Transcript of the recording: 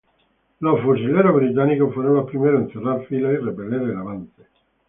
Los rifleros británicos fueron los primeros en cerrar filas y repeler el avance.